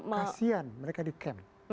kasian mereka di camp